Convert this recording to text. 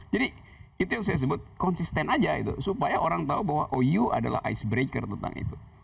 jadi itu yang saya sebut konsisten saja supaya orang tahu bahwa ou adalah icebreaker tentang itu